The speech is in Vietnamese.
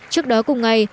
trước đó cùng ngày